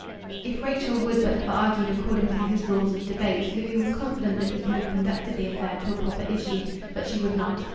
If Rachel would but have argued according to his rules of debate, Louis was confident that he could have conducted the affair to a proper issue. But she would not.